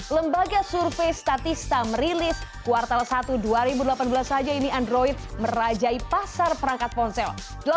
lembaga survei statista merilis kuartal satu dua ribu delapan belas saja ini android merajai pasar perangkat ponsel